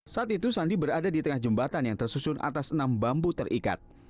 saat itu sandi berada di tengah jembatan yang tersusun atas enam bambu terikat